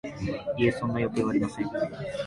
いえ、そんな予定はありません